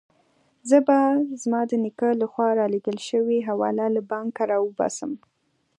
زه به زما د نیکه له خوا رالېږل شوې حواله له بانکه راوباسم.